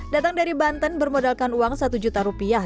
datang dari banten bermodalkan uang satu juta rupiah